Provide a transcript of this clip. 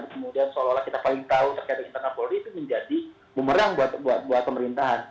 kemudian seolah olah kita paling tahu terkait dengan internal polri itu menjadi bumerang buat pemerintahan